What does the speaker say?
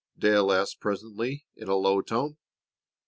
Dale asked presently in a low tone.